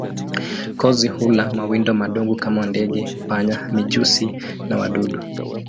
Kozi hula mawindo madogo kama ndege, panya, mijusi na wadudu.